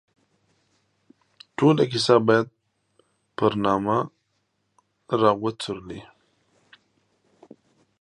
ټوله کیسه باید پر نامه را وڅورلي.